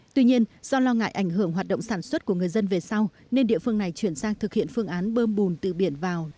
tuy nhiên do lo ngại ảnh hưởng hoạt động sản xuất của người dân về sau nên địa phương này chuyển sang thực hiện phương án bơm bùn từ biển vào